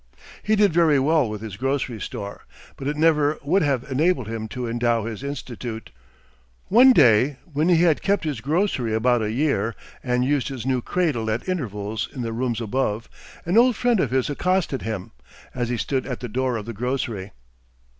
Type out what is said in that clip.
He did very well with his grocery store; but it never would have enabled him to endow his Institute. One day when he had kept his grocery about a year, and used his new cradle at intervals in the rooms above, an old friend of his accosted him, as he stood at the door of the grocery.